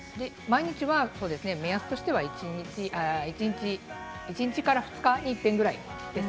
目安としては１日から２日に１回ぐらいです。